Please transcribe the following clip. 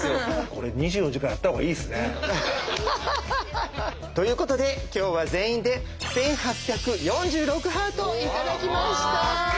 これ２４時間やった方がいいっすね。ということで今日は全員で１，８４６ハート頂きました。